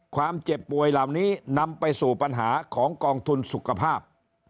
ความเจ็บป่วยเหล่านี้นำไปสู่ปัญหาของกองทุนสุขภาพ